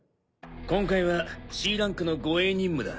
今回はＣランクの護衛任務だ。